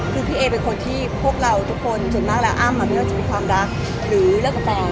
คือพี่เอเป็นคนที่พวกเราทุกคนส่วนมากแล้วอ้ำไม่ว่าจะมีความรักหรือเลิกกับแฟน